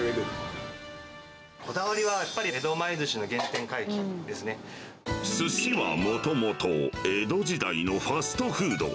こだわりはやっぱり江戸前ずすしはもともと江戸時代のファストフード。